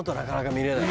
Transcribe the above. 見れない。